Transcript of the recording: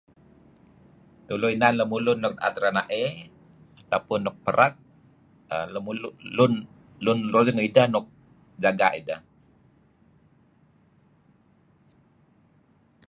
Tulu inan lemlun nuk daet renaey atau pun nuk pereg lun ruyung ideh kereb lun lun nuk nuk jaga' ideh.